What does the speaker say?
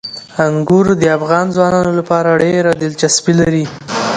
انګور د افغان ځوانانو لپاره ډېره دلچسپي لري.